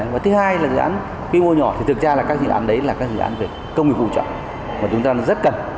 và thứ hai là dự án quy mô nhỏ thì thực ra là các dự án đấy là các dự án về công nghiệp vụ chậm mà chúng ta rất cần